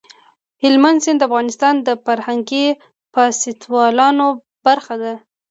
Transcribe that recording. هلمند سیند د افغانستان د فرهنګي فستیوالونو برخه ده.